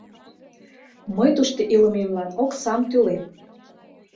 Мый тушто илымемлан оксам тӱлем!